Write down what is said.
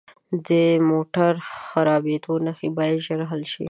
د موټر خرابیدو نښې باید ژر حل شي.